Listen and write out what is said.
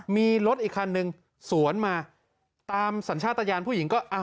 มีรถอีกคันนึงสวนมาตามสัญชาติยานผู้หญิงก็